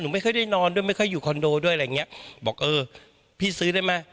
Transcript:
ไม่ค่อยได้นอนด้วยไม่ค่อยอยู่คอนโดด้วยอะไรอย่างเงี้ยบอกเออพี่ซื้อได้ไหม